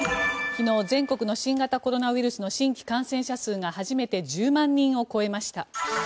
昨日、全国の新型コロナウイルスの新規感染者数が初めて１０万人を超えました。